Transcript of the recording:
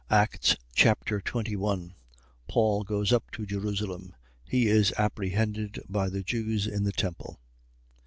Acts Chapter 21 Paul goes up to Jerusalem. He is apprehended by the Jews in the temple.